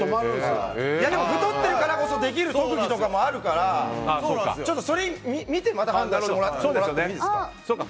でも太っているからこそできる特技とかもあるからそれを見てまた判断してもらってもいいですか。